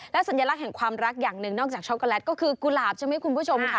สัญลักษณ์แห่งความรักอย่างหนึ่งนอกจากช็อกโกแลตก็คือกุหลาบใช่ไหมคุณผู้ชมค่ะ